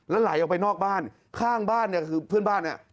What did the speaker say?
แล้วไหลออกไปนอกบ้านข้างบ้านเนี่ยคือเพื่อนบ้านเนี่ย